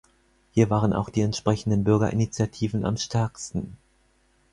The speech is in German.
Hier waren auch die entsprechenden Bürgerinitiativen am stärksten.